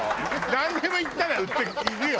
なんでも行ったら売っているよ。